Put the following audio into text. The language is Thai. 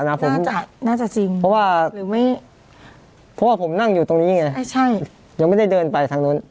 น่าจะจริงเพราะว่าผมนั่งอยู่ตรงนี้ไงยังไม่ได้เดินไปทางโน้น